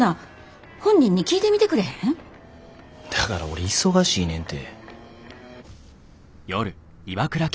だから俺忙しいねんて。